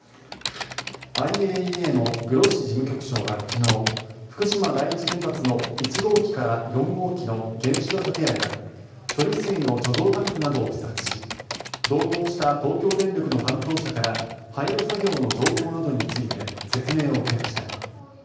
ＩＡＥＡのグロッシ事務局長は昨日福島第一原発の１号機から４号機の原子炉建屋や処理水の貯蔵タンクなどを視察し同行した東京電力の担当者から廃炉作業の状況などについて説明を受けました。